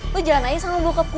lo jalan aja sama bokap gue